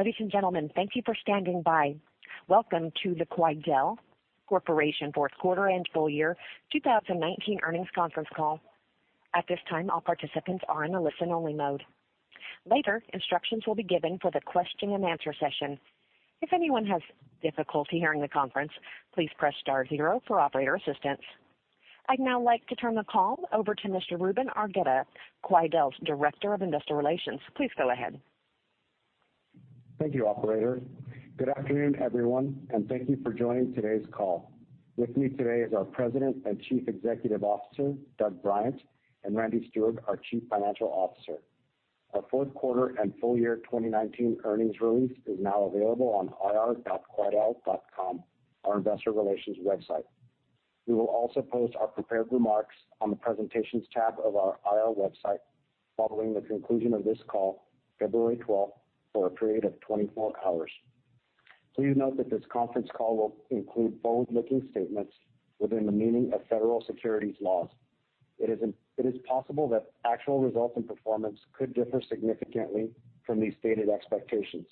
Ladies and gentlemen, thank you for standing by. Welcome to the Quidel Corporation fourth quarter and full year 2019 earnings conference call. At this time, all participants are in a listen-only mode. Later, instructions will be given for the question and answer session. If anyone has difficulty hearing the conference, please press star zero for operator assistance. I'd now like to turn the call over to Mr. Ruben Argueta, Quidel's Director of Investor Relations. Please go ahead. Thank you, operator. Good afternoon, everyone. Thank you for joining today's call. With me today is our President and Chief Executive Officer, Doug Bryant, and Randy Steward, our Chief Financial Officer. Our fourth quarter and full year 2019 earnings release is now available on ir.quidel.com, our investor relations website. We will also post our prepared remarks on the presentations tab of our IR website following the conclusion of this call, February 12th, for a period of 24 hours. Please note that this conference call will include forward-looking statements within the meaning of federal securities laws. It is possible that actual results and performance could differ significantly from these stated expectations.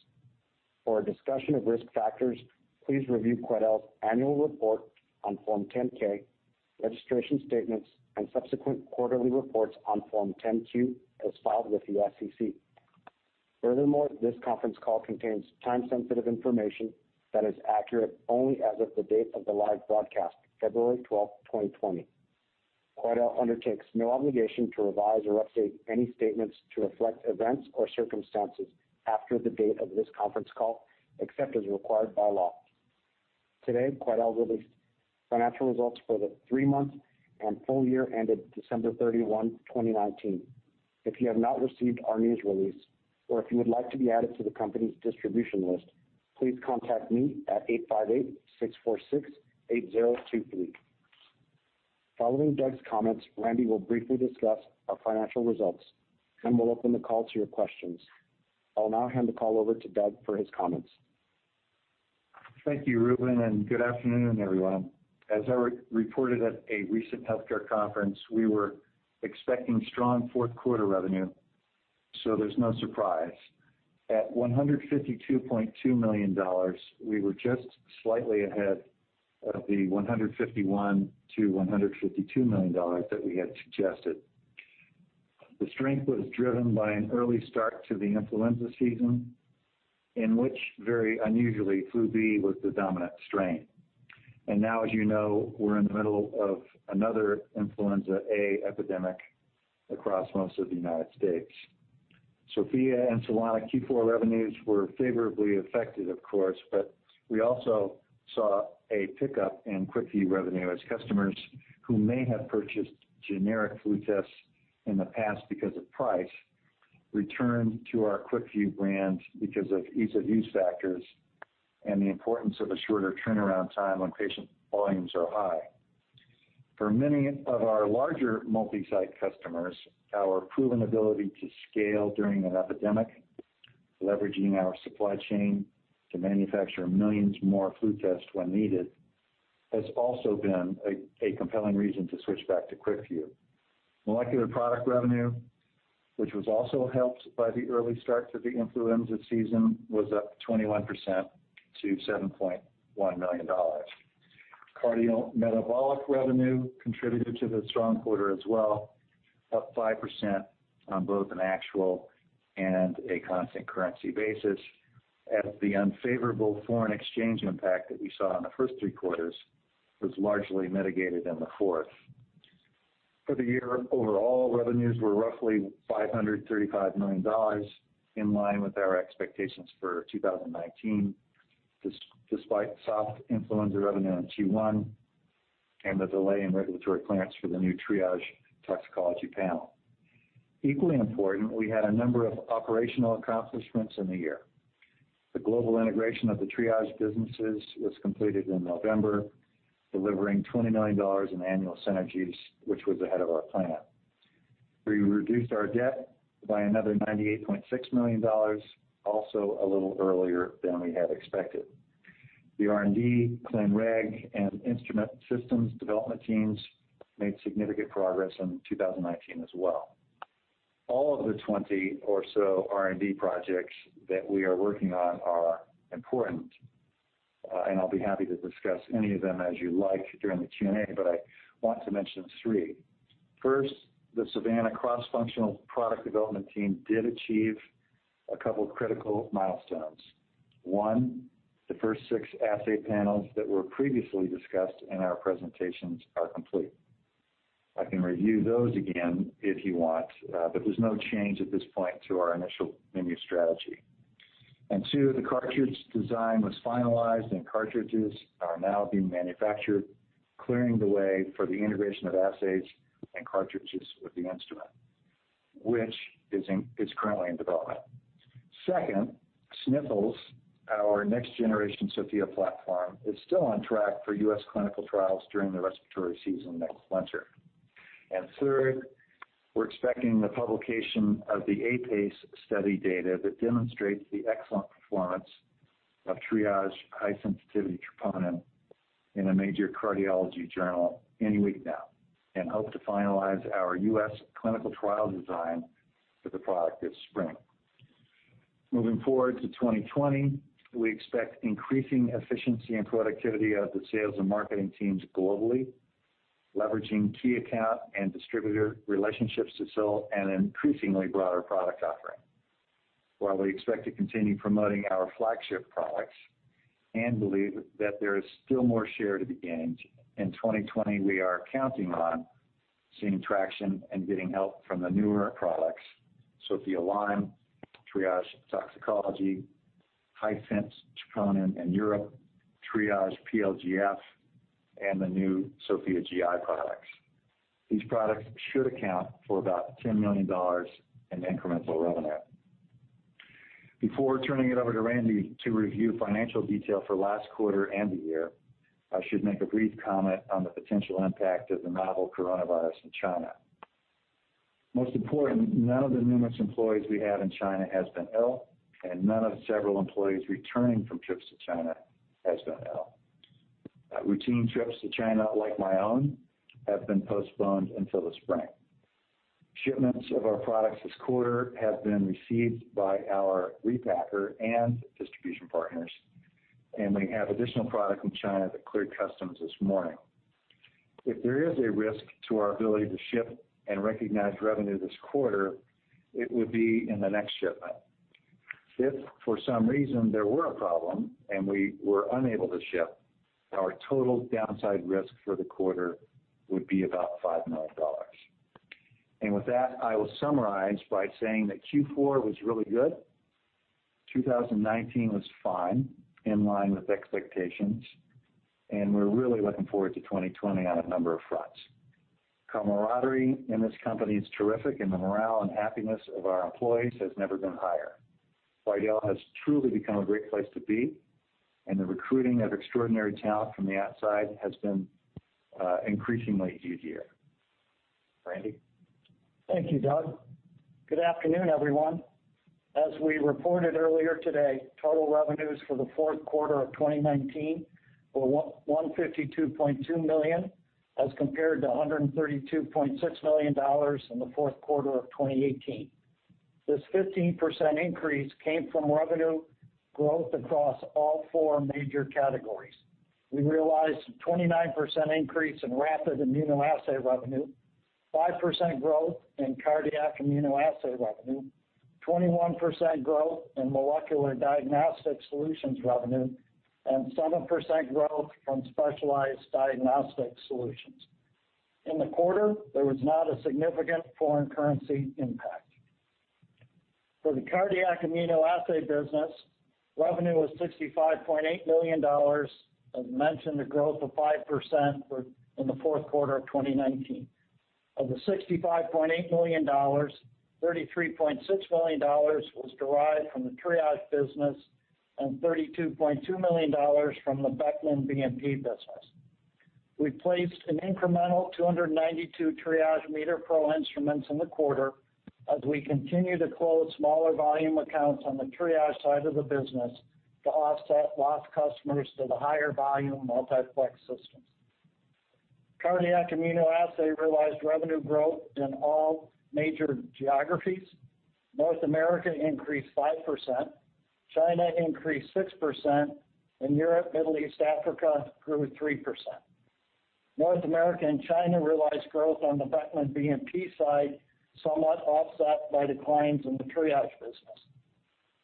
For a discussion of risk factors, please review Quidel's annual report on Form 10-K, registration statements, and subsequent quarterly reports on Form 10-Q, as filed with the SEC. Furthermore, this conference call contains time-sensitive information that is accurate only as of the date of the live broadcast, February 12, 2020. Quidel undertakes no obligation to revise or update any statements to reflect events or circumstances after the date of this conference call, except as required by law. Today, Quidel released financial results for the three months and full year ended December 31, 2019. If you have not received our news release, or if you would like to be added to the company's distribution list, please contact me at 858-646-8023. Following Doug's comments, Randy will briefly discuss our financial results, then we'll open the call to your questions. I'll now hand the call over to Doug for his comments. Thank you, Ruben, and good afternoon, everyone. As I reported at a recent healthcare conference, we were expecting strong fourth quarter revenue. There's no surprise. At $152.2 million, we were just slightly ahead of the $151 million-$152 million that we had suggested. The strength was driven by an early start to the influenza season, in which, very unusually, flu B was the dominant strain. Now, as you know, we're in the middle of another influenza A epidemic across most of the U.S. Sofia and Solana Q4 revenues were favorably affected, of course. We also saw a pickup in QuickVue revenue as customers who may have purchased generic flu tests in the past because of price returned to our QuickVue brand because of ease of use factors and the importance of a shorter turnaround time when patient volumes are high. For many of our larger multi-site customers, our proven ability to scale during an epidemic, leveraging our supply chain to manufacture millions more flu tests when needed, has also been a compelling reason to switch back to QuickVue. Molecular product revenue, which was also helped by the early start to the influenza season, was up 21% to $7.1 million. Cardiometabolic revenue contributed to the strong quarter as well, up 5% on both an actual and a constant currency basis as the unfavorable foreign exchange impact that we saw in the first three quarters was largely mitigated in the fourth. For the year, overall revenues were roughly $535 million, in line with our expectations for 2019, despite soft influenza revenue in Q1 and the delay in regulatory clearance for the new Triage toxicology panel. Equally important, we had a number of operational accomplishments in the year. The global integration of the Triage businesses was completed in November, delivering $20 million in annual synergies, which was ahead of our plan. We reduced our debt by another $98.6 million, also a little earlier than we had expected. The R&D, clin reg, and instrument systems development teams made significant progress in 2019 as well. All of the 20 or so R&D projects that we are working on are important, and I'll be happy to discuss any of them as you like during the Q&A, but I want to mention three. First, the SAVANNA cross-functional product development team did achieve a couple of critical milestones. One, the first six assay panels that were previously discussed in our presentations are complete. I can review those again if you want, but there's no change at this point to our initial menu strategy. Two, the cartridge design was finalized, and cartridges are now being manufactured, clearing the way for the integration of assays and cartridges with the instrument, which is currently in development. Second, Sniffles, our next generation Sofia platform, is still on track for U.S. clinical trials during the respiratory season next winter. Third, we're expecting the publication of the Advantageous Predictors of Acute Coronary Syndromes Evaluation study data that demonstrates the excellent performance of Triage High Sensitivity Troponin I in a major cardiology journal any week now, and hope to finalize our U.S. clinical trial design for the product this spring. Moving forward to 2020, we expect increasing efficiency and productivity out of the sales and marketing teams globally, leveraging key account and distributor relationships to sell an increasingly broader product offering. While we expect to continue promoting our flagship products and believe that there is still more share to be gained, in 2020, we are counting on seeing traction and getting help from the newer products, Sofia Lyme, Triage Toxicology, High Sensitivity Troponin in Europe, Triage PLGF, and the new Sofia GI products. These products should account for about $10 million in incremental revenue. Before turning it over to Randy to review financial detail for last quarter and the year, I should make a brief comment on the potential impact of the novel coronavirus in China. Most important, none of the numerous employees we have in China has been ill, and none of several employees returning from trips to China has been ill. Routine trips to China, like my own, have been postponed until the spring. Shipments of our products this quarter have been received by our repacker and distribution partners, and we have additional product in China that cleared customs this morning. If there is a risk to our ability to ship and recognize revenue this quarter, it would be in the next shipment. If, for some reason, there were a problem and we were unable to ship, our total downside risk for the quarter would be about $5 million. With that, I will summarize by saying that Q4 was really good. 2019 was fine, in line with expectations, and we're really looking forward to 2020 on a number of fronts. Camaraderie in this company is terrific, and the morale and happiness of our employees has never been higher. Quidel has truly become a great place to be, and the recruiting of extraordinary talent from the outside has been increasingly easier. Randy Steward? Thank you, Doug. Good afternoon, everyone. As we reported earlier today, total revenues for the fourth quarter of 2019 were $152.2 million as compared to $132.6 million in the fourth quarter of 2018. This 15% increase came from revenue growth across all four major categories. We realized a 29% increase in rapid immunoassay revenue, 5% growth in cardiac immunoassay revenue, 21% growth in molecular diagnostic solutions revenue, and 7% growth from specialized diagnostic solutions. In the quarter, there was not a significant foreign currency impact. For the cardiac immunoassay business, revenue was $65.8 million, as mentioned, a growth of 5% in the fourth quarter of 2019. Of the $65.8 million, $33.6 million was derived from the Triage business and $32.2 million from the Beckman BNP business. We placed an incremental 292 Triage MeterPro instruments in the quarter as we continue to quote smaller volume accounts on the Triage side of the business to offset lost customers to the higher volume Multiplex systems. Cardiac immunoassay realized revenue growth in all major geographies. North America increased 5%, China increased 6%, and Europe, Middle East, Africa grew 3%. North America and China realized growth on the Beckman BNP side, somewhat offset by declines in the Triage business.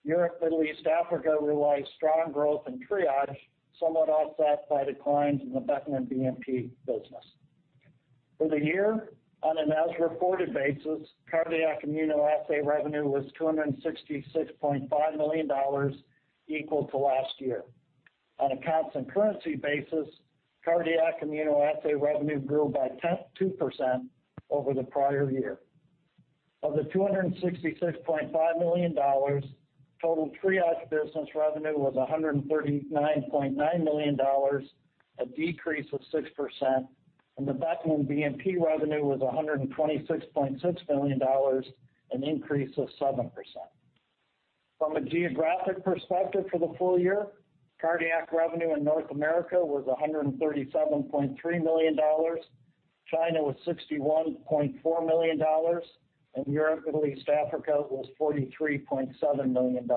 Europe, Middle East, Africa realized strong growth in Triage, somewhat offset by declines in the Beckman BNP business. For the year, on an as reported basis, cardiac immunoassay revenue was $266.5 million, equal to last year. On a constant currency basis, cardiac immunoassay revenue grew by 2% over the prior year. Of the $266.5 million, total Triage business revenue was $139.9 million, a decrease of 6%, and the Beckman BNP revenue was $126.6 million, an increase of 7%. From a geographic perspective for the full year, cardiac revenue in North America was $137.3 million, China was $61.4 million, and Europe, Middle East, Africa was $43.7 million.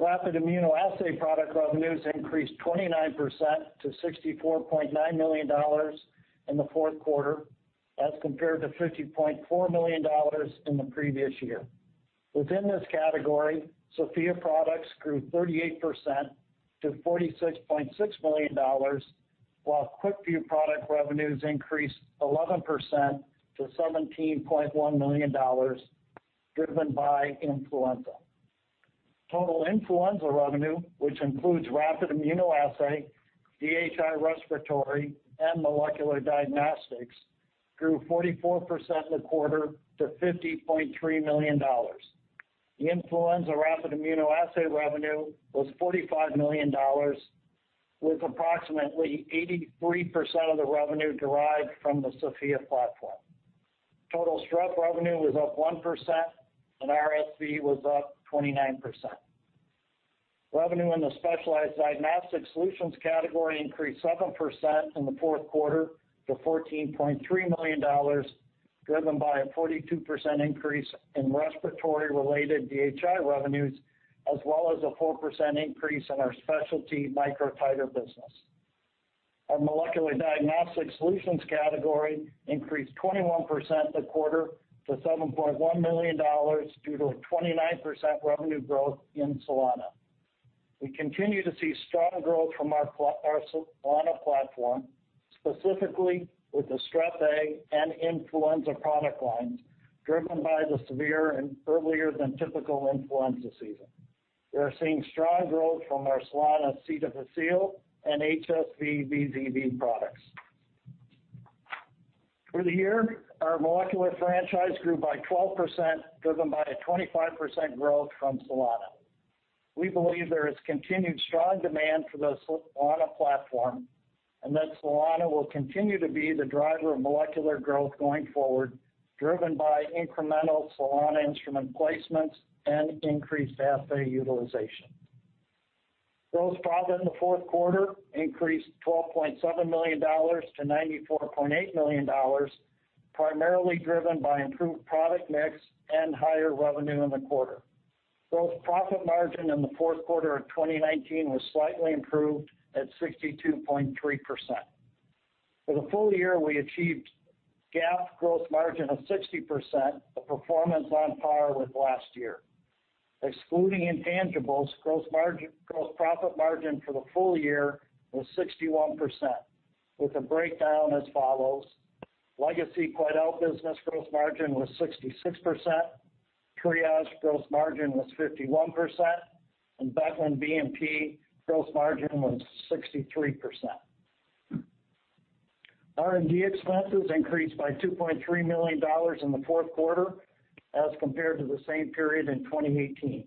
Rapid immunoassay product revenues increased 29% to $64.9 million in the fourth quarter, as compared to $50.4 million in the previous year. Within this category, Sofia products grew 38% to $46.6 million, while QuickVue product revenues increased 11% to $17.1 million, driven by influenza. Total influenza revenue, which includes rapid immunoassay, Diagnostic Hybrids, Inc. respiratory, and molecular diagnostics, grew 44% in the quarter to $50.3 million. The influenza rapid immunoassay revenue was $45 million, with approximately 83% of the revenue derived from the Sofia platform. Total Strep revenue was up 1%, and Respiratory Syncytial Virus was up 29%. Revenue in the specialized diagnostic solutions category increased 7% in the fourth quarter to $14.3 million, driven by a 42% increase in respiratory-related DHI revenues, as well as a 4% increase in our specialty microtiter business. Our molecular diagnostic solutions category increased 21% the quarter to $7.1 million due to a 29% revenue growth in Solana. We continue to see strong growth from our Solana platform, specifically with the Strep A and influenza product lines, driven by the severe and earlier than typical influenza season. We are seeing strong growth from our Solana C. difficile and Herpes Simplex Virus / Varicella-Zoster Virus products. For the year, our molecular franchise grew by 12%, driven by a 25% growth from Solana. We believe there is continued strong demand for the Solana platform, and that Solana will continue to be the driver of molecular growth going forward, driven by incremental Solana instrument placements and increased assay utilization. Gross profit in the fourth quarter increased $12.7 million to $94.8 million, primarily driven by improved product mix and higher revenue in the quarter. Gross profit margin in the fourth quarter of 2019 was slightly improved at 62.3%. For the full year, we achieved GAAP gross margin of 60%, a performance on par with last year. Excluding intangibles, gross profit margin for the full year was 61%, with the breakdown as follows: legacy Quidel business gross margin was 66%, Triage gross margin was 51%, and Becton, BD gross margin was 63%. R&D expenses increased by $2.3 million in the fourth quarter as compared to the same period in 2018.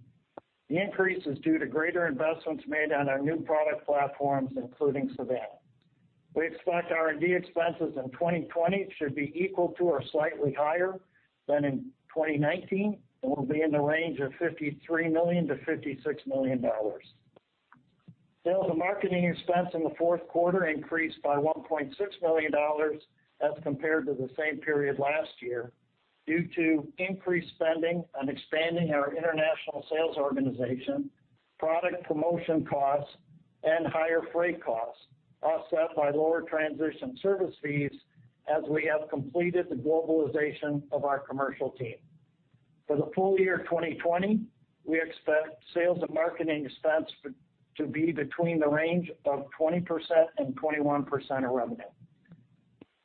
The increase is due to greater investments made on our new product platforms, including SAVANNA. We expect R&D expenses in 2020 should be equal to or slightly higher than in 2019 and will be in the range of $53 million-$56 million. Sales and marketing expense in the fourth quarter increased by $1.6 million as compared to the same period last year due to increased spending on expanding our international sales organization, product promotion costs, and higher freight costs, offset by lower transition service fees as we have completed the globalization of our commercial team. For the full year 2020, we expect sales and marketing expense to be between the range of 20% and 21% of revenue.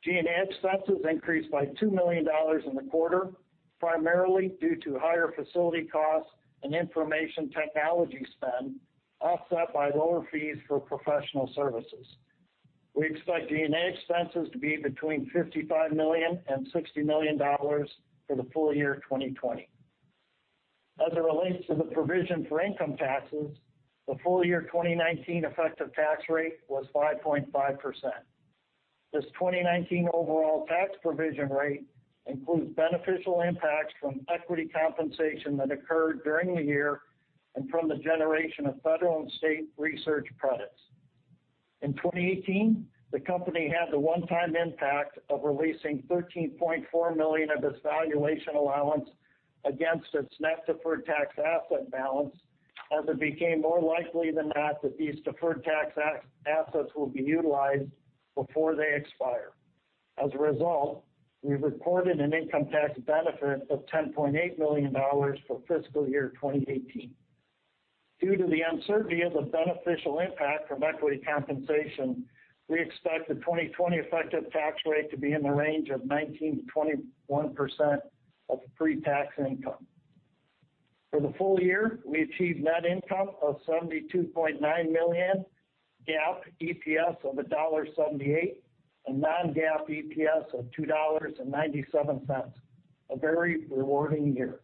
G&A expenses increased by $2 million in the quarter, primarily due to higher facility costs and information technology spend, offset by lower fees for professional services. We expect G&A expenses to be between $55 million and $60 million for the full year 2020. As it relates to the provision for income taxes, the full year 2019 effective tax rate was 5.5%. This 2019 overall tax provision rate includes beneficial impacts from equity compensation that occurred during the year and from the generation of federal and state research credits. In 2018, the company had the one-time impact of releasing $13.4 million of its valuation allowance against its net deferred tax asset balance, as it became more likely than not that these deferred tax assets will be utilized before they expire. As a result, we reported an income tax benefit of $10.8 million for fiscal year 2018. Due to the uncertainty of the beneficial impact from equity compensation, we expect the 2020 effective tax rate to be in the range of 19%-21% of pre-tax income. For the full year, we achieved net income of $72.9 million, GAAP EPS of $1.78, and non-GAAP EPS of $2.97. A very rewarding year.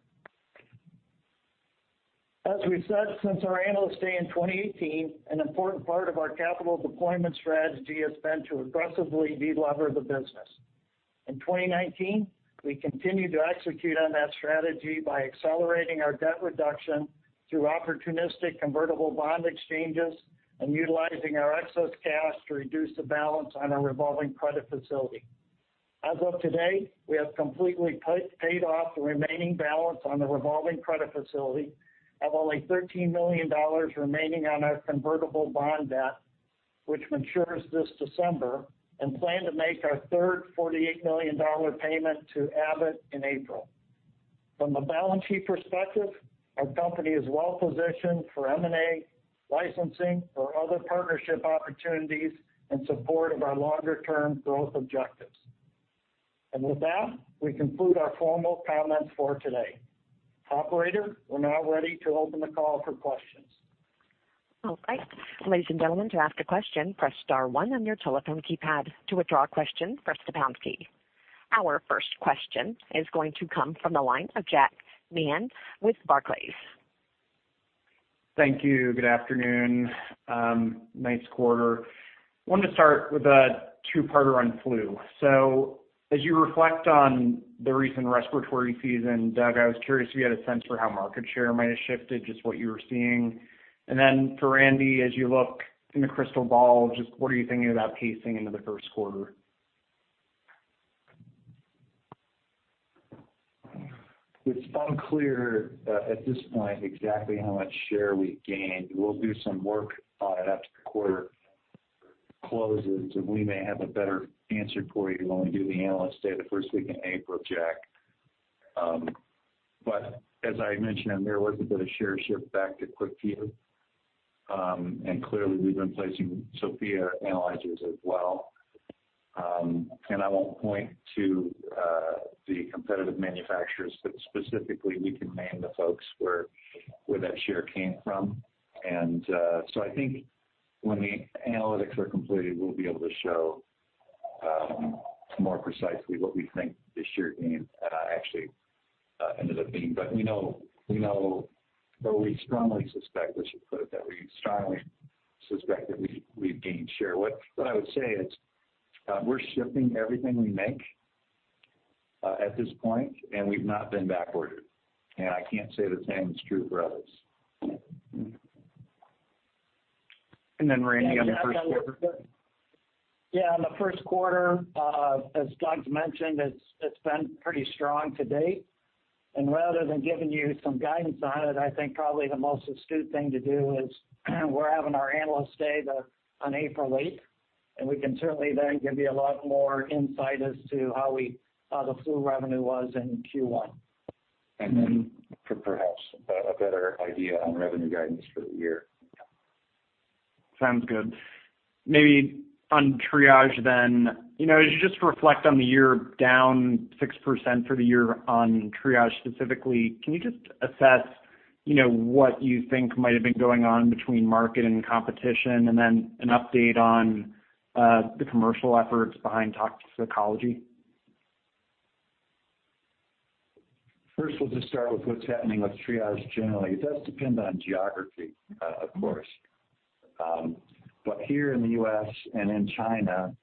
As we said, since our Analyst Day in 2018, an important part of our capital deployment strategy has been to aggressively de-lever the business. In 2019, we continued to execute on that strategy by accelerating our debt reduction through opportunistic convertible bond exchanges and utilizing our excess cash to reduce the balance on our revolving credit facility. As of today, we have completely paid off the remaining balance on the revolving credit facility, have only $13 million remaining on our convertible bond debt, which matures this December, and plan to make our third $48 million payment to Abbott in April. From a balance sheet perspective, our company is well positioned for M&A, licensing or other partnership opportunities in support of our longer-term growth objectives. With that, we conclude our formal comments for today. Operator, we are now ready to open the call for questions. All right. Ladies and gentlemen, to ask a question, press star one on your telephone keypad. To withdraw a question, press the pound key. Our first question is going to come from the line of Jack Meehan with Barclays. Thank you. Good afternoon. Nice quarter. Wanted to start with a two-parter on flu. As you reflect on the recent respiratory season, Doug, I was curious if you had a sense for how market share might have shifted, just what you were seeing. For Randy, as you look in the crystal ball, just what are you thinking about pacing into the first quarter? It's unclear at this point exactly how much share we've gained. We'll do some work on it after the quarter closes, and we may have a better answer for you when we do the Analyst Day, the first week in April, Jack. As I mentioned, there was a bit of share shift back to QuickVue, and clearly we've been placing Sofia analyzers as well. I won't point to the competitive manufacturers, but specifically we can name the folks where that share came from. I think when the analytics are completed, we'll be able to show more precisely what we think the share gain actually ended up being. We know what we strongly suspect, I should put it, that we strongly suspect that we've gained share. What I would say is we're shipping everything we make at this point, and we've not been back ordered, and I can't say the same is true for others. Randy, on the first quarter. Yeah, on the first quarter, as Doug's mentioned, it's been pretty strong to date. Rather than giving you some guidance on it, I think probably the most astute thing to do is we're having our Analyst Day on April 8th. We can certainly then give you a lot more insight as to how the flu revenue was in Q1. Perhaps a better idea on revenue guidance for the year. Sounds good. Maybe on Triage then, as you just reflect on the year, down 6% for the year on Triage specifically, can you just assess what you think might have been going on between market and competition, and then an update on the commercial efforts behind toxicology? First, we'll just start with what's happening with Triage generally. It does depend on geography, of course. Here in the U.S. and in China,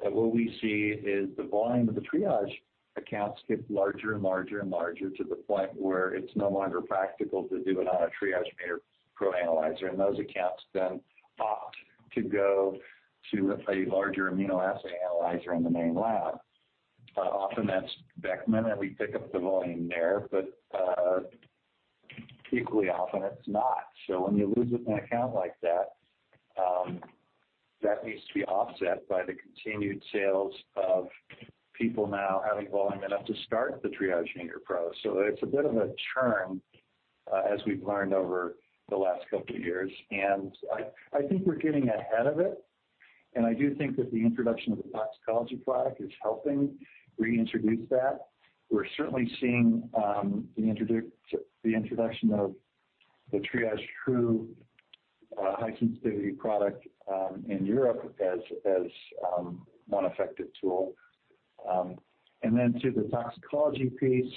what we see is the volume of the Triage accounts get larger and larger and larger to the point where it's no longer practical to do it on a Triage MeterPro analyzer, and those accounts then opt to go to a larger immunoassay analyzer in the main lab. Often that's Beckman, and we pick up the volume there. Equally often it's not. When you lose an account like that needs to be offset by the continued sales of people now having volume enough to start the Triage MeterPro. It's a bit of a churn as we've learned over the last couple of years, and I think we're getting ahead of it. I do think that the introduction of the toxicology product is helping reintroduce that. We're certainly seeing the introduction of the TriageTrue high-sensitivity product in Europe as one effective tool. To the toxicology piece,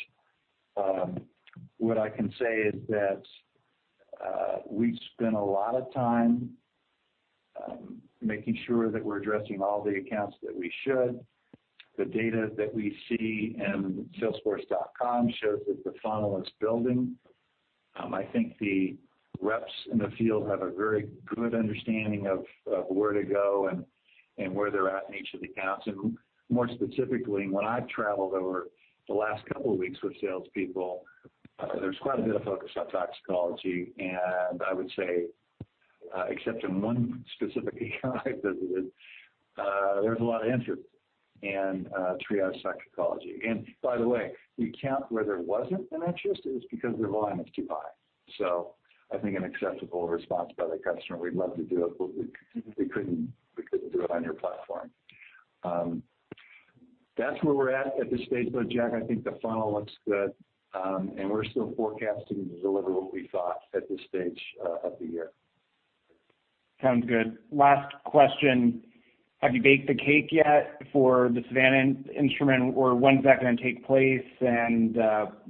what I can say is that we spent a lot of time making sure that we're addressing all the accounts that we should. The data that we see in salesforce.com shows that the funnel is building. I think the reps in the field have a very good understanding of where to go and where they're at in each of the accounts. More specifically, when I've traveled over the last couple of weeks with salespeople, there's quite a bit of focus on toxicology, and I would say, except in one specific account I visited, there was a lot of interest in Triage toxicology. By the way, the account where there wasn't an interest is because their volume is too high. I think an acceptable response by the customer, "We'd love to do it, but we couldn't do it on your platform." That's where we're at at this stage, but Jack, I think the funnel looks good. We're still forecasting to deliver what we thought at this stage of the year. Sounds good. Last question. Have you baked the cake yet for the SAVANNA instrument, or when's that going to take place and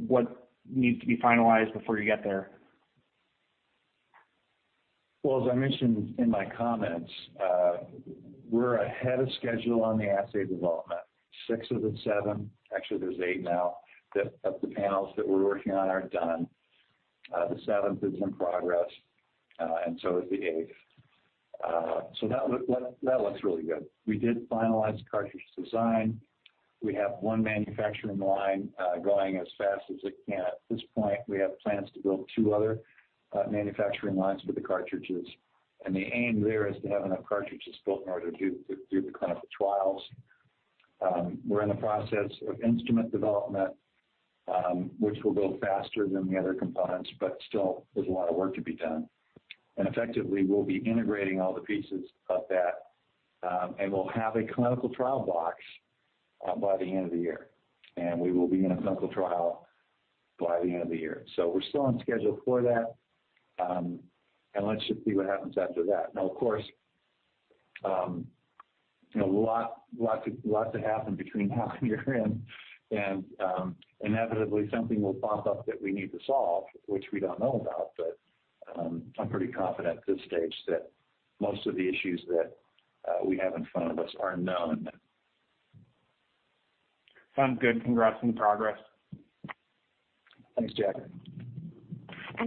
what needs to be finalized before you get there? Well, as I mentioned in my comments, we're ahead of schedule on the assay development. Six of the seven, actually, there's eight now, of the panels that we're working on are done. The seventh is in progress. So is the eighth. That looks really good. We did finalize cartridge design. We have one manufacturing line going as fast as it can at this point. We have plans to build two other manufacturing lines for the cartridges. The aim there is to have enough cartridges built in order to do the clinical trials. We're in the process of instrument development, which will go faster than the other components, but still, there's a lot of work to be done. Effectively, we'll be integrating all the pieces of that, and we'll have a clinical trial box by the end of the year. We will be in a clinical trial by the end of the year. We're still on schedule for that. Let's just see what happens after that. Now, of course. A lot to happen between now and year-end. Inevitably something will pop up that we need to solve, which we don't know about. I'm pretty confident at this stage that most of the issues that we have in front of us are known. Sounds good. Congrats on the progress. Thanks, Jack.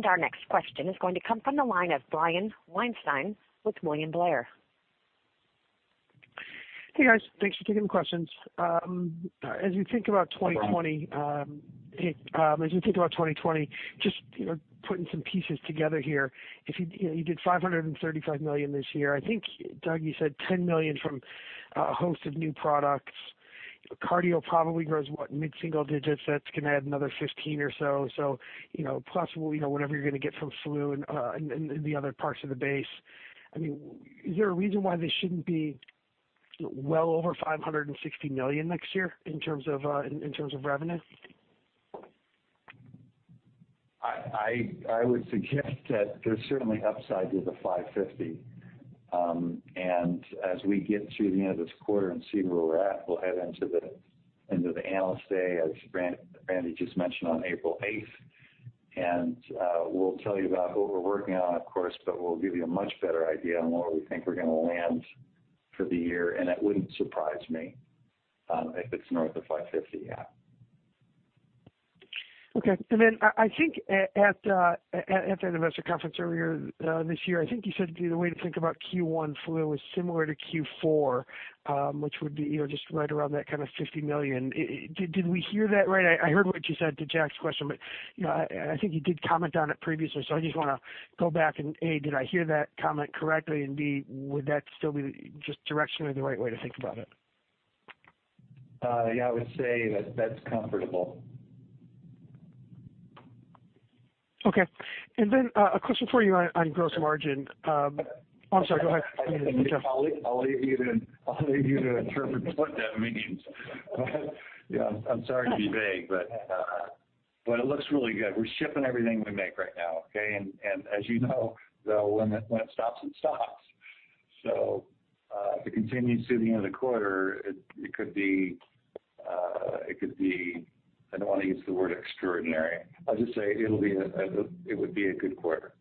Our next question is going to come from the line of Brian Weinstein with William Blair. Hey, guys. Thanks for taking the questions. No problem. As you think about 2020, just putting some pieces together here. You did $535 million this year. I think, Doug, you said $10 million from a host of new products. Cardio probably grows what? Mid-single digits. That's going to add another 15 or so. Plus whatever you're going to get from flu and the other parts of the base. Is there a reason why this shouldn't be well over $560 million next year in terms of revenue? I would suggest that there's certainly upside to the $550. As we get to the end of this quarter and see where we're at, we'll head into the Analyst Day, as Randy just mentioned, on April 8th. We'll tell you about what we're working on, of course, but we'll give you a much better idea on where we think we're going to land for the year, and it wouldn't surprise me if it's north of $550, yeah. Okay. I think at the investor conference earlier this year, I think you said the way to think about Q1 flu is similar to Q4, which would be just right around that kind of $50 million. Did we hear that right? I heard what you said to Jack's question, I think you did comment on it previously, I just want to go back and, A, did I hear that comment correctly, and B, would that still be just directionally the right way to think about it? Yeah, I would say that that's comfortable. Okay. Then a question for you on gross margin. I'm sorry, go ahead. I'll leave you to interpret what that means. Yeah. I'm sorry to be vague, but it looks really good. We're shipping everything we make right now. Okay? As you know, though, when it stops, it stops. If it continues through the end of the quarter, it could be, I don't want to use the word extraordinary. I'll just say it would be a good quarter.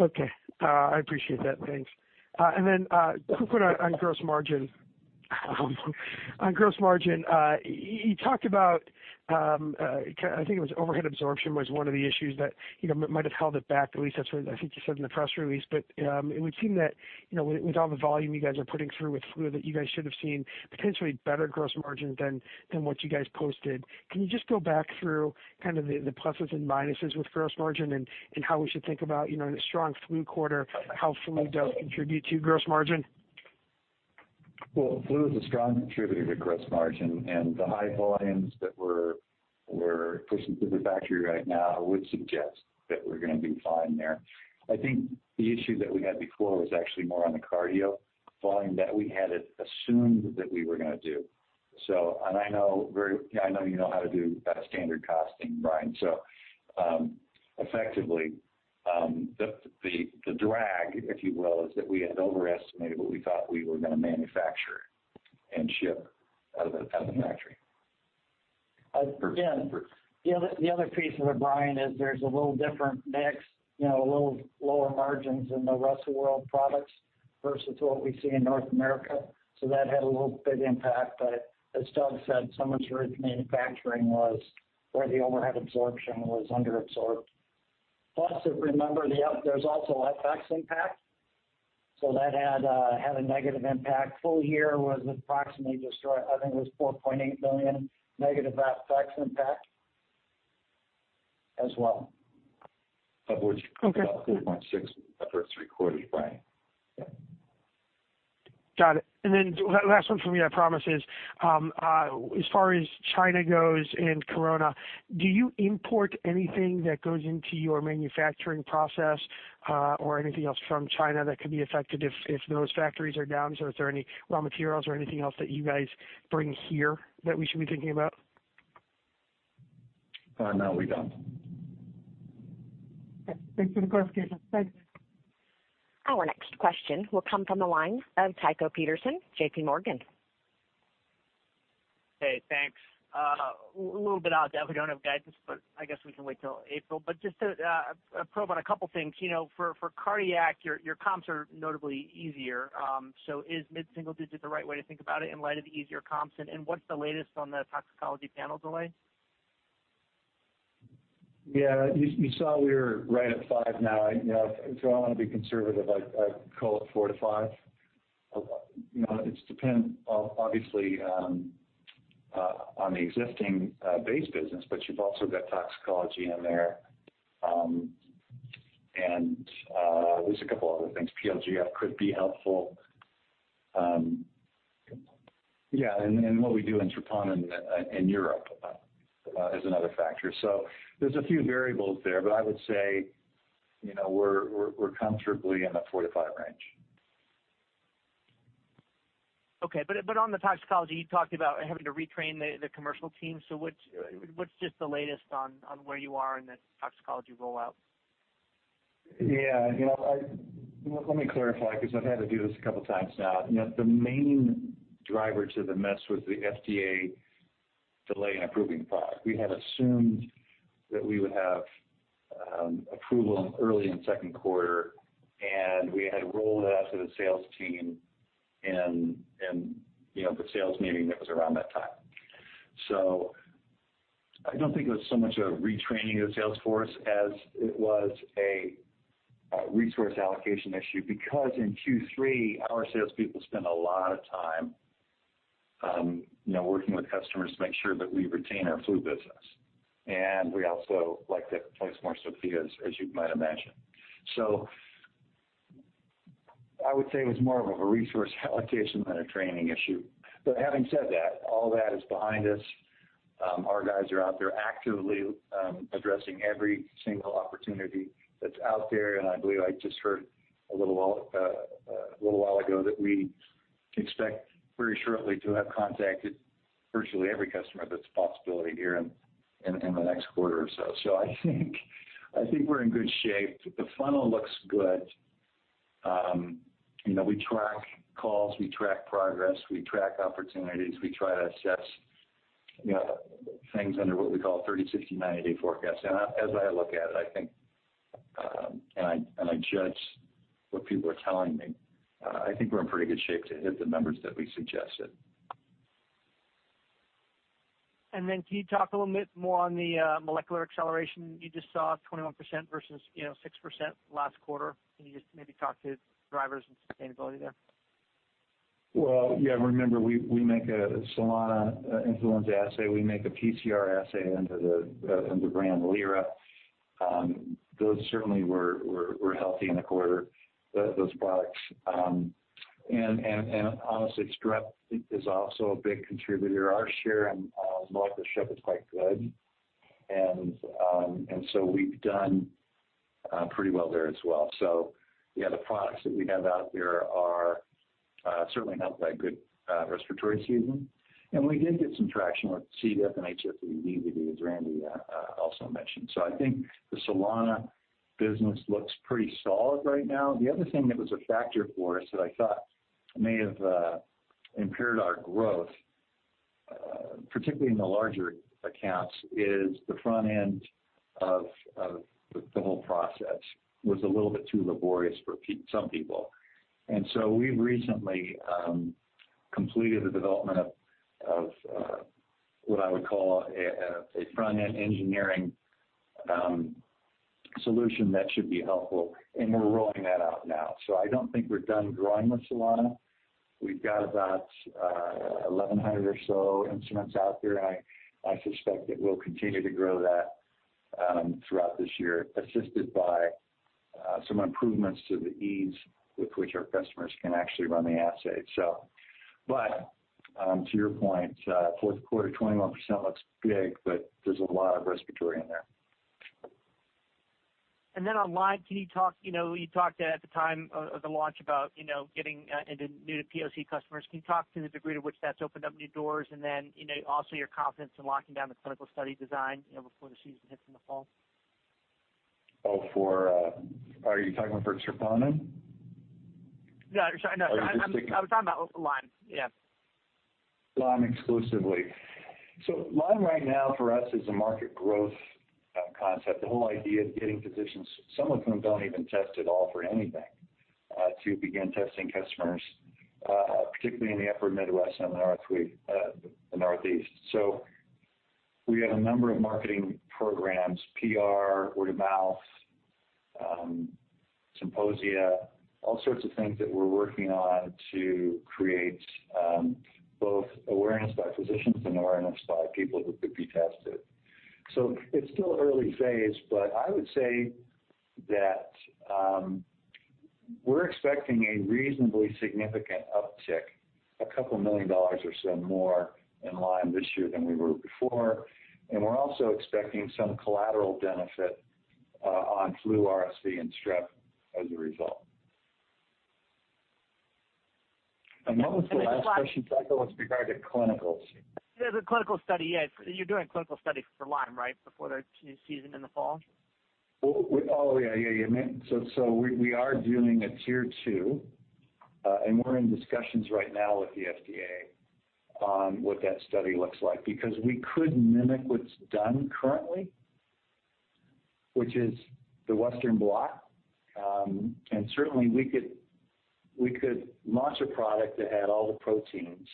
Okay. I appreciate that. Thanks. Real quick on gross margin. On gross margin, you talked about, I think it was overhead absorption was one of the issues that might have held it back. At least that's what I think you said in the press release. It would seem that with all the volume you guys are putting through with flu, that you guys should have seen potentially better gross margin than what you guys posted. Can you just go back through kind of the pluses and minuses with gross margin and how we should think about in a strong flu quarter, how flu does contribute to gross margin? Well, flu is a strong contributor to gross margin, and the high volumes that we're pushing through the factory right now would suggest that we're going to be fine there. I think the issue that we had before was actually more on the cardio volume that we had assumed that we were going to do. I know you know how to do standard costing, Brian. Effectively, the drag, if you will, is that we had overestimated what we thought we were going to manufacture and ship out of the factory. The other piece of it, Brian, is there's a little different mix, a little lower margins in the rest of world products versus what we see in North America. That had a little big impact. As Doug said, so much of it in manufacturing was where the overhead absorption was under-absorbed. Plus, remember there's also FX impact, so that had a negative impact. Full year was approximately just, I think it was $4.8 million negative FX impact as well. Of which about $4.6 million was the first three quarters, Brian. Yeah. Got it. Last one from me, I promise this. As far as China goes and corona, do you import anything that goes into your manufacturing process or anything else from China that could be affected if those factories are down? Is there any raw materials or anything else that you guys bring here that we should be thinking about? No, we don't. Okay. Thanks for the clarification. Thanks. Our next question will come from the line of Tycho Peterson, JPMorgan. Hey, thanks. A little bit odd that we don't have guidance, but I guess we can wait till April. Just to probe on a couple things. For cardiac, your comps are notably easier. Is mid-single digits the right way to think about it in light of the easier comps? What's the latest on the toxicology panel delay? You saw we were right at five now. If I want to be conservative, I'd call it four to five. It's dependent, obviously, on the existing base business, but you've also got toxicology in there. There's a couple other things. Placental Growth Factor could be helpful. What we do in troponin in Europe is another factor. There's a few variables there, but I would say we're comfortably in the four to five range. Okay. On the toxicology, you talked about having to retrain the commercial team. What's just the latest on where you are in the toxicology rollout? Yeah. Let me clarify, because I've had to do this a couple of times now. The main driver to the mess was the FDA delay in approving the product. We had assumed that we would have approval early in the second quarter, and we had rolled it out to the sales team in the sales meeting that was around that time. I don't think it was so much a retraining of the sales force as it was a resource allocation issue, because in Q3, our salespeople spent a lot of time working with customers to make sure that we retain our flu business. We also like to place more Sofia, as you might imagine. I would say it was more of a resource allocation than a training issue. Having said that, all that is behind us. Our guys are out there actively addressing every single opportunity that's out there, and I believe I just heard a little while ago that we expect very shortly to have contacted virtually every customer that's a possibility here in the next quarter or so. I think we're in good shape. The funnel looks good. We track calls, we track progress, we track opportunities. We try to assess things under what we call a 30-day, 60-day, 90-day forecast. As I look at it, and I judge what people are telling me, I think we're in pretty good shape to hit the numbers that we suggested. Can you talk a little bit more on the molecular acceleration? You just saw 21% versus 6% last quarter. Can you just maybe talk to the drivers and sustainability there? Well, yeah, remember, we make a Solana influenza assay. We make a polymerase chain reaction assay under the brand Lyra. Those certainly were healthy in the quarter, those products. Honestly, strep is also a big contributor. Our share in marketship is quite good. We've done pretty well there as well. Yeah, the products that we have out there are certainly helped by good respiratory season. We did get some traction with C. diff and HFMD, as Randy also mentioned. I think the Solana business looks pretty solid right now. The other thing that was a factor for us that I thought may have impaired our growth, particularly in the larger accounts, is the front end of the whole process was a little bit too laborious for some people. We've recently completed the development of what I would call a front-end engineering solution that should be helpful, and we're rolling that out now. I don't think we're done growing with Solana. We've got about 1,100 or so instruments out there, and I suspect that we'll continue to grow that throughout this year, assisted by some improvements to the ease with which our customers can actually run the assay. To your point, fourth quarter, 21% looks big, but there's a lot of respiratory in there. On Lyme, you talked at the time of the launch about getting into new-to-point-of-care customers. Can you talk to the degree to which that's opened up new doors? Also your confidence in locking down the clinical study design before the season hits in the fall? Are you talking for troponin? No, I was talking about Lyme. Yeah. Lyme exclusively. Lyme right now for us is a market growth concept. The whole idea of getting physicians, some of whom don't even test at all for anything, to begin testing customers, particularly in the upper Midwest and the Northeast. We have a number of marketing programs, PR, word of mouth, symposia, all sorts of things that we're working on to create both awareness by physicians and awareness by people who could be tested. It's still early phase, but I would say that we're expecting a reasonably significant uptick, a couple million dollars or so more in Lyme this year than we were before. We're also expecting some collateral benefit on flu, RSV, and strep as a result. What was the last question, Tycho, with regard to clinicals? Yeah, the clinical study, yeah. You're doing a clinical study for Lyme, right, before the season in the fall? Oh, yeah. We are doing a Tier 2, and we're in discussions right now with the FDA on what that study looks like, because we could mimic what's done currently, which is the Western blot. Certainly, we could launch a product that had all the proteins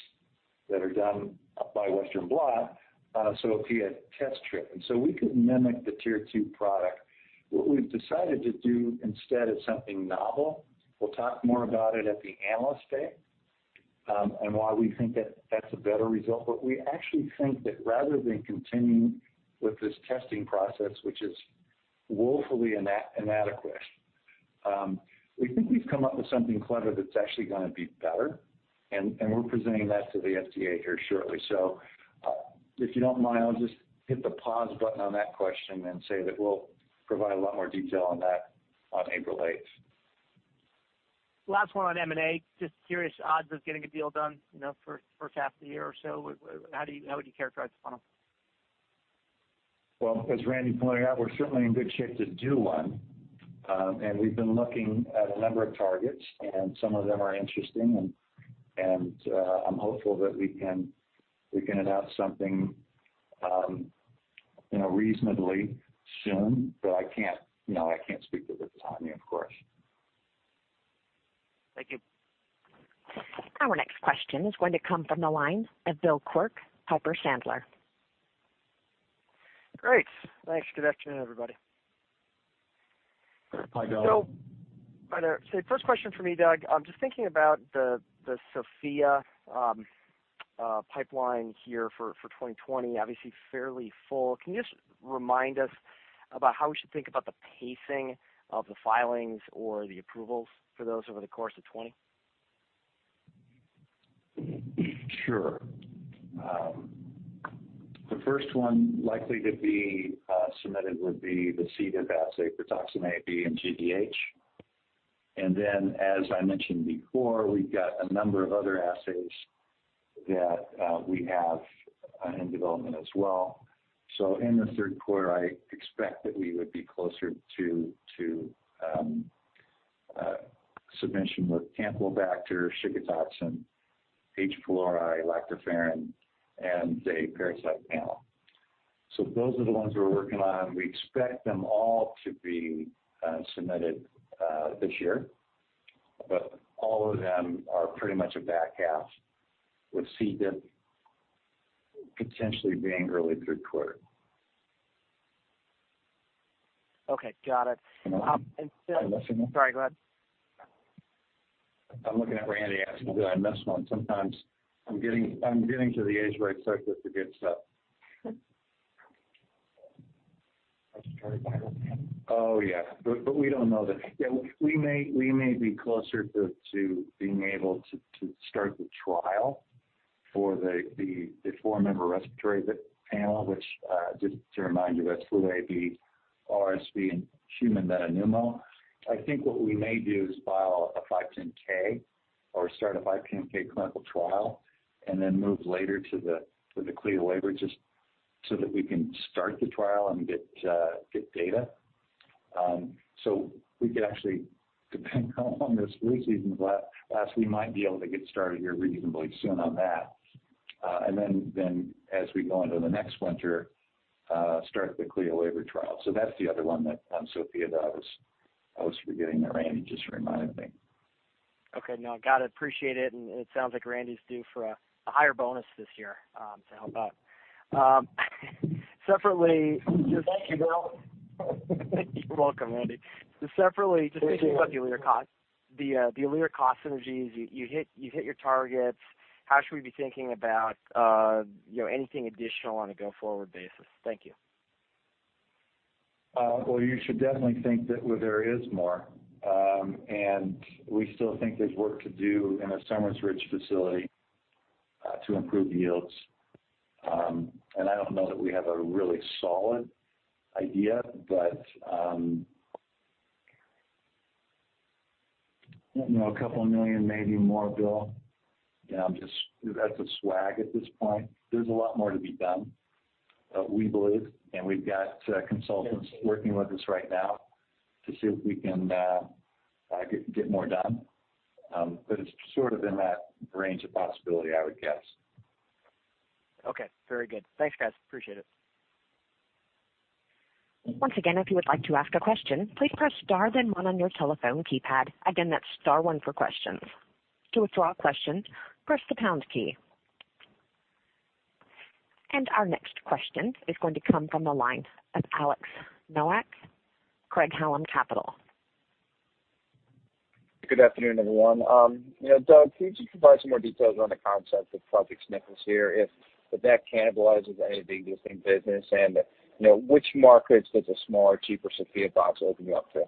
that are done by Western blot, so it would be a test strip. We could mimic the Tier 2 product. What we've decided to do instead is something novel. We'll talk more about it at the Analyst Day and why we think that that's a better result. We actually think that rather than continuing with this testing process, which is woefully inadequate, we think we've come up with something clever that's actually going to be better, and we're presenting that to the FDA here shortly. If you don't mind, I'll just hit the pause button on that question and say that we'll provide a lot more detail on that on April 8th. Last one on M&A. Just curious, odds of getting a deal done, for a half the year or so, how would you characterize the funnel? Well, as Randy pointed out, we're certainly in good shape to do one. We've been looking at a number of targets, and some of them are interesting and I'm hopeful that we can announce something reasonably soon, but I can't speak to the timing, of course. Thank you. Our next question is going to come from the line of Bill Quirk, Piper Sandler. Great. Thanks. Good afternoon, everybody. Hi, Bill. Hi there. First question for me, Doug. I'm just thinking about the Sofia pipeline here for 2020, obviously fairly full. Can you just remind us about how we should think about the pacing of the filings or the approvals for those over the course of 2020? Sure. The first one likely to be submitted would be the C. diff assay for toxin A, B, and GDH. As I mentioned before, we've got a number of other assays that we have in development as well. In the third quarter, I expect that we would be closer to submission with Campylobacter, Shiga toxin, H. pylori, lactoferrin, and a parasite panel. Those are the ones we're working on. We expect them all to be submitted this year, all of them are pretty much a back half, with C. diff potentially being early third quarter. Okay, got it. Did I miss anything? Sorry, go ahead. I'm looking at Randy asking, did I miss one? Sometimes I'm getting to the age where I start just to forget stuff. Respiratory panel. Oh, yeah. We don't know. We may be closer to being able to start the trial for the four-member respiratory panel, which, just to remind you, that's flu A/B, RSV, and human metapneumovirus. I think what we may do is file a 510(k) or start a 510(k) clinical trial, then move later to the Clinical Laboratory Improvement Amendments waiver, just so that we can start the trial and get data. We could actually, depending how long this flu season lasts, we might be able to get started here reasonably soon on that. Then as we go into the next winter, start the CLIA waiver trial. That's the other one, on Sofia, that I was forgetting there. Randy just reminded me. Okay. No, got it, appreciate it. It sounds like Randy's due for a higher bonus this year to help out. Thank you, Bill. You're welcome, Randy. Separately just thinking about the Alere cost synergies. You hit your targets. How should we be thinking about anything additional on a go-forward basis? Thank you. Well, you should definitely think that there is more. We still think there's work to do in our Somerset facility to improve yields. I don't know that we have a really solid idea, but, a couple million, maybe more, Bill. That's a swag at this point. There's a lot more to be done, we believe, and we've got consultants working with us right now to see if we can get more done. It's sort of in that range of possibility, I would guess. Okay. Very good. Thanks, guys. Appreciate it. Once again, if you would like to ask a question, please press star then one on your telephone keypad. Again, that's star one for questions. To withdraw a question, press the pound key. Our next question is going to come from the line of Alex Nowak, Craig-Hallum Capital. Good afternoon, everyone. Doug, can you just provide some more details on the concept of Project Sniffles here, if that cannibalizes any of the existing business? Which markets does a smaller, cheaper Sofia box open you up to?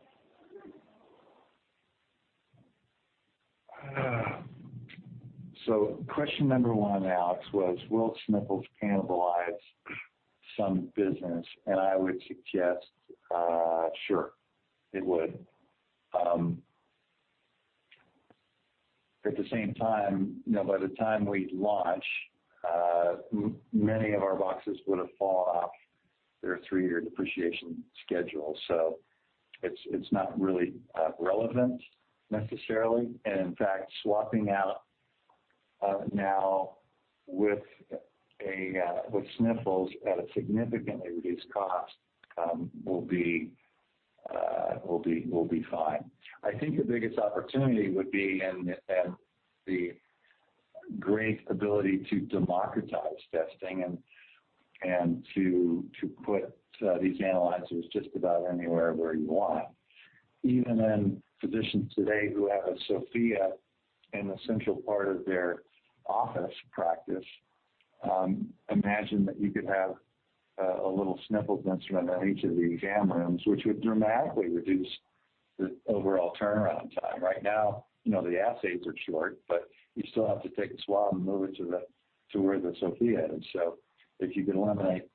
Question number one, Alex, was will Sniffles cannibalize some business? I would suggest, sure, it would. At the same time, by the time we launch, many of our boxes would've fallen off their three-year depreciation schedule, so it's not really relevant necessarily. In fact, swapping out now with Sniffles at a significantly reduced cost will be fine. I think the biggest opportunity would be in the great ability to democratize testing and to put these analyzers just about anywhere where you want. Even in physicians today who have a Sofia in a central part of their office practice, imagine that you could have a little Sniffles instrument on each of the exam rooms, which would dramatically reduce the overall turnaround time. Right now, the assays are short, but you still have to take a swab and move it to where the Sofia is. If you can eliminate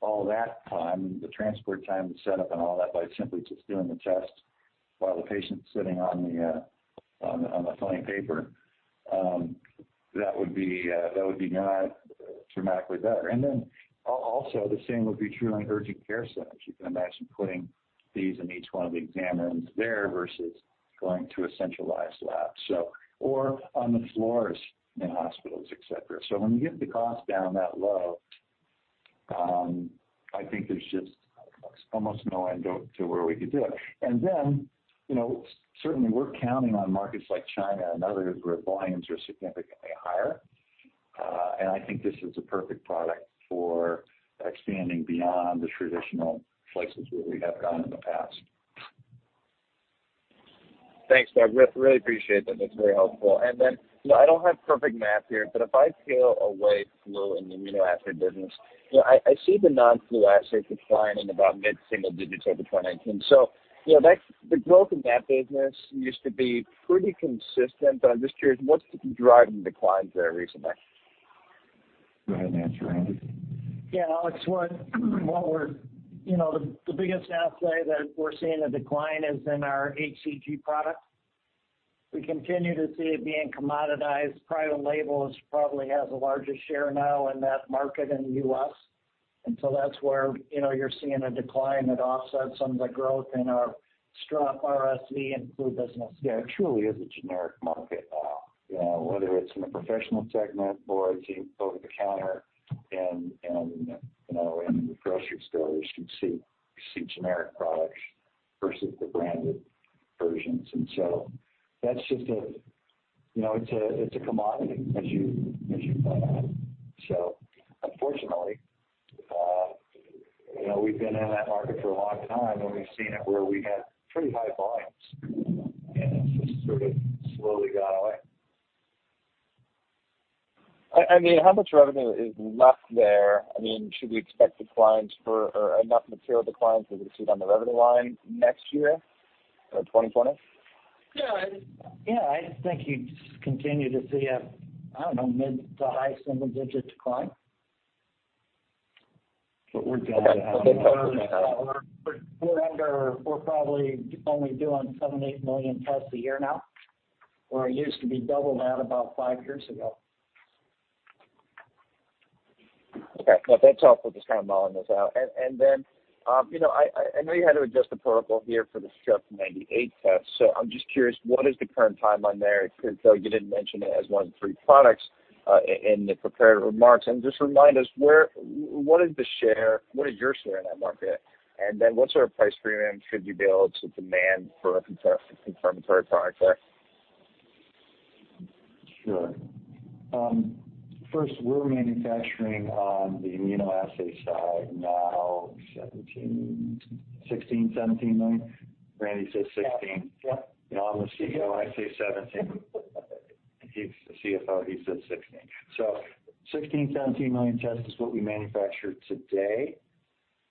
all that time, the transport time, the setup, and all that by simply just doing the test while the patient's sitting on the filling paper. That would be dramatically better. The same would be true in urgent care settings. You can imagine putting these in each one of the exam rooms there versus going to a centralized lab. On the floors in hospitals, et cetera. When you get the cost down that low, I think there's just almost no end to where we could do it. Certainly, we're counting on markets like China and others where volumes are significantly higher. I think this is a perfect product for expanding beyond the traditional places where we have gone in the past. Thanks, Doug. Really appreciate that. That's very helpful. I don't have perfect math here, but if I scale away flu in the immunoassay business, I see the non-flu assay declining about mid-single digits over 2019. The growth in that business used to be pretty consistent, but I'm just curious, what's driving the declines there recently? Go ahead and answer, Randy. Yeah, Alex, the biggest assay that we're seeing a decline is in our hCG product. We continue to see it being commoditized. Private label probably has the largest share now in that market in the U.S. That's where you're seeing a decline that offsets some of the growth in our Strep RSV and flu business. Yeah, it truly is a generic market now, whether it's in the professional segment or over-the-counter and in the grocery stores, you see generic products versus the branded versions. That's just a commodity, as you point out. Unfortunately, we've been in that market for a long time, and we've seen it where we had pretty high volumes, and it's just sort of slowly gone away. How much revenue is left there? Should we expect enough material declines that we could see it on the revenue line next year, 2020? Yeah. I think you just continue to see a, I don't know, mid to high single-digit decline. But we're going to have. We're probably only doing seven, eight million tests a year now, where it used to be double that about five years ago. Okay. No, that's helpful just kind of modeling this out. I know you had to adjust the protocol here for the Strep A test, so I’m just curious, what is the current timeline there? It seems like you didn’t mention it as one of the three products in the prepared remarks. Just remind us, what is your share in that market, and then what sort of price premium should you be able to demand for a confirmatory product there? Sure. First, we're manufacturing on the immunoassay side now $16 million, $17 million. Randy says $16 million. Yep. I'm the CEO and I say $17 million. He's the CFO, he says $16 million. $16 million-$17 million tests is what we manufacture today.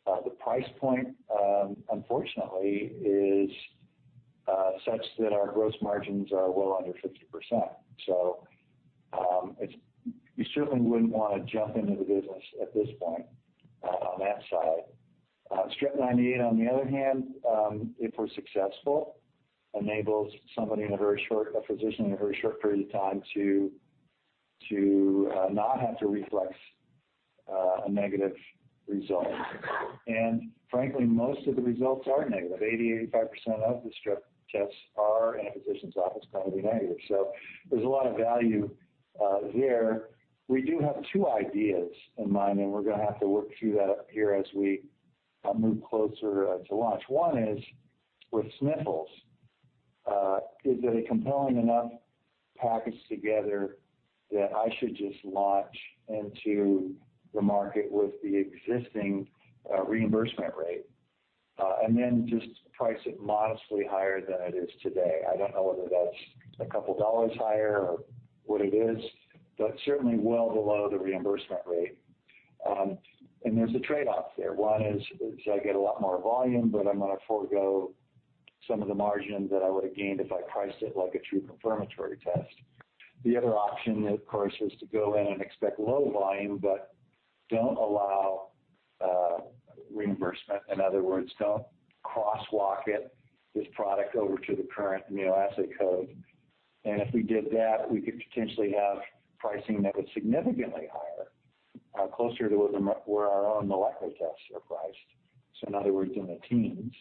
The price point, unfortunately, is such that our gross margins are well under 50%. You certainly wouldn't want to jump into the business at this point on that side. Strep A, on the other hand, if we're successful, enables a physician in a very short period of time to not have to reflex a negative result. Frankly, most of the results are negative. 80%-85% of the strep tests are, in a physician's office, going to be negative. There's a lot of value there. We do have two ideas in mind, and we're going to have to work through that here as we move closer to launch. One is with Sniffles. Is it a compelling enough package together that I should just launch into the market with the existing reimbursement rate, and then just price it modestly higher than it is today? I don't know whether that's a couple of dollars higher or what it is, but certainly well below the reimbursement rate. There's a trade-off there. One is I get a lot more volume, but I'm going to forego some of the margin that I would have gained if I priced it like a true confirmatory test. The other option, of course, is to go in and expect low volume but don't allow reimbursement. In other words, don't crosswalk it, this product, over to the current immunoassay code. If we did that, we could potentially have pricing that was significantly higher, closer to where our own molecular tests are priced. In other words, in the teens.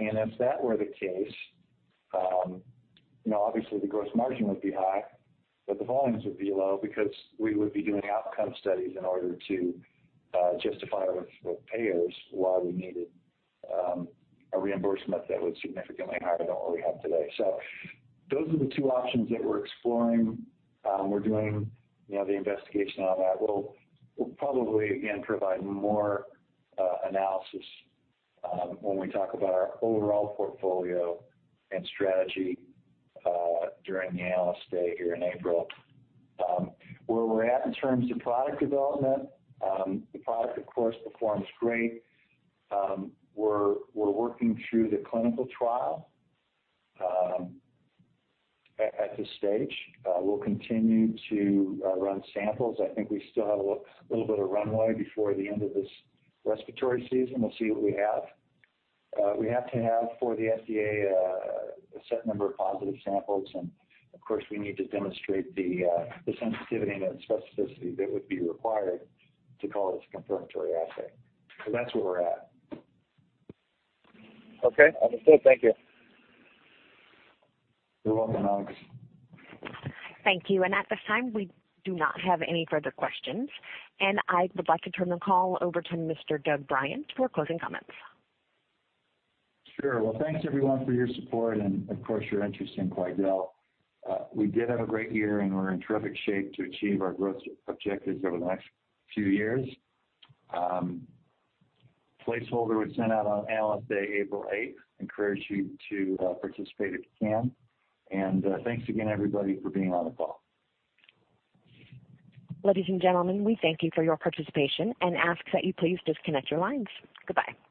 If that were the case, obviously the gross margin would be high, but the volumes would be low because we would be doing outcome studies in order to justify with payers why we needed a reimbursement that was significantly higher than what we have today. Those are the two options that we're exploring. We're doing the investigation on that. We'll probably, again, provide more analysis when we talk about our overall portfolio and strategy during the Analyst Day here in April. Where we're at in terms of product development, the product of course performs great. We're working through the clinical trial at this stage. We'll continue to run samples. I think we still have a little bit of runway before the end of this respiratory season. We'll see what we have. We have to have, for the FDA, a set number of positive samples and, of course, we need to demonstrate the sensitivity and specificity that would be required to call this a confirmatory assay. That's where we're at. Okay. Understood. Thank you. You're welcome, Alex. Thank you. At this time, we do not have any further questions, and I would like to turn the call over to Mr. Doug Bryant for closing comments. Sure. Well, thanks everyone for your support and of course, your interest in Quidel. We did have a great year, we're in terrific shape to achieve our growth objectives over the next few years. Placeholder was sent out on Analyst Day, April 8th. Encourage you to participate if you can. Thanks again, everybody, for being on the call. Ladies and gentlemen, we thank you for your participation and ask that you please disconnect your lines. Goodbye.